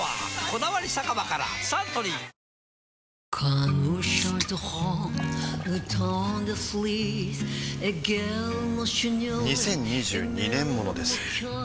「こだわり酒場」からサントリー２０２２年モノです